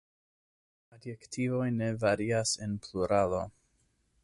Adjektivoj ne varias en pluralo.